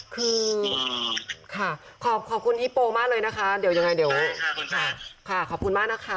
คือขอบคุณธิโปรมากเลยนะคะเดี๋ยวยังไงขอบคุณมากนะคะ